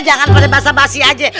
jangan pakai basa basi aja